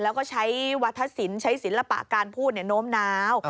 แล้วก็ใช้วัฒนศิลปะการพูดโน้มนาว